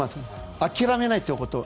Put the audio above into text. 諦めないということ。